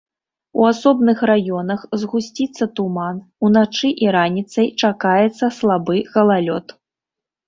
У асобных раёнах згусціцца туман, уначы і раніцай чакаецца слабы галалёд.